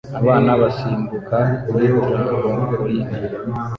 Abana basimbuka kuri trampoline